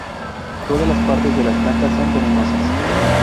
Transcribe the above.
Todas las partes de las plantas son venenosas.